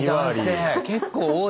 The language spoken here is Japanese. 結構多いね。